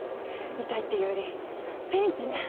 痛いっていうよりピンチね。